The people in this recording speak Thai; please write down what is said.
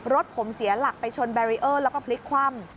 รถผมเสียหลักไปชนแบรีเออร์แล้วก็พลิกคว่ำ